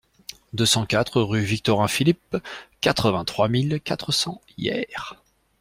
deux cent quatre rue Victorin Philip, quatre-vingt-trois mille quatre cents Hyères